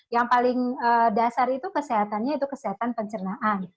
yang paling dasar itu kesehatannya itu kesehatan pencernaan